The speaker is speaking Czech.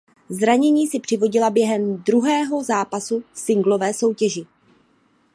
Zranění si přivodila během druhého zápasu v singlové soutěži.